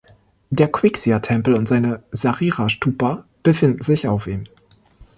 Der Qixia-Tempel und seine Sarira-Stupa befinden sich auf ihm.